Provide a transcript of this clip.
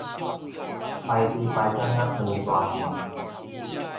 排隊排甲若長蛇陣